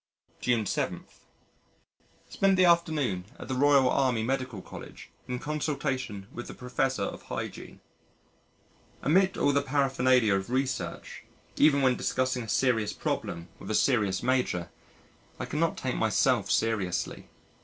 June 7. Spent the afternoon at the Royal Army Medical College in consultation with the Professor of Hygiene. Amid all the paraphernalia of research, even when discussing a serious problem with a serious Major, I could not take myself seriously.